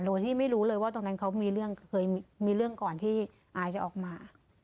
โดยที่ไม่รู้เลยว่าตรงนั้นเขาเคยมีเรื่องก่อนที่อายจะออกมา